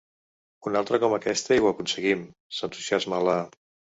Una altra com aquesta i ho aconseguim! —s'entusiasma la